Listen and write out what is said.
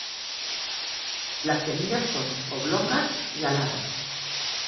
Las semillas son oblongas y aladas.